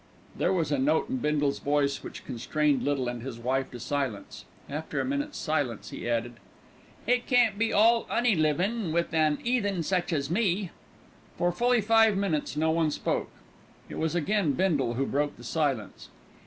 '" There was a note in Bindle's voice which constrained Little and his wife to silence. After a minute's pause he added: "It can't be all 'oney livin' with an 'eathen such as me." For fully five minutes no one spoke. It was again Bindle who broke the silence.